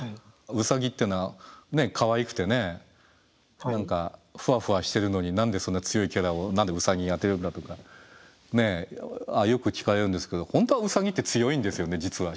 ウサギっていうのはねかわいくてね何かふわふわしてるのに何でそんな強いキャラを何でウサギにあてるんだとかよく聞かれるんですけど本当はウサギって強いんですよね実は。